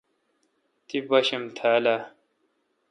تی باشم تھال اؘ۔